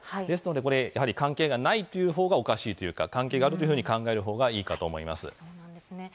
ですので関係がないというほうがおかしいというか関係があると考えるほうがいいかと思います。